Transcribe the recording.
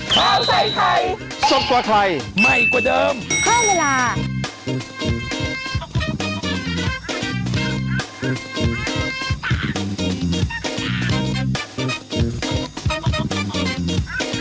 โปรดติดตามตอนต่อไป